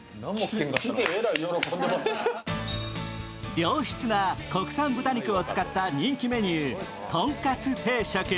良質な国産豚肉を使った人気メニュー、とんかつ定食。